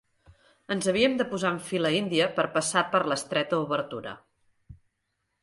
Ens havíem de posar en fila índia per passar per l'estreta obertura